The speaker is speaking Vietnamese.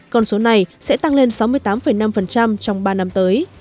con số này sẽ tăng lên sáu mươi tám năm trong ba năm tới